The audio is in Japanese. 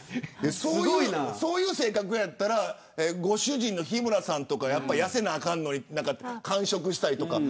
そういう性格やったらご主人の日村さんとか痩せなあかんのに間食したりとか。